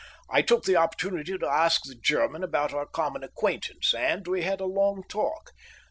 I took the opportunity to ask the German about our common acquaintance, and we had a long talk.